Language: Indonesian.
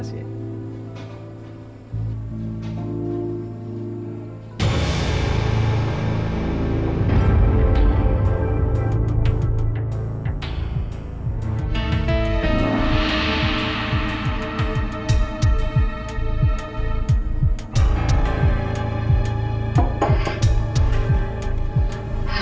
terima kasih ya